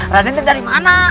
raden itu dari mana